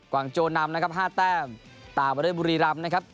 วางโจนำนะครับ๕แต้มตามมาด้วยบุรีรำนะครับ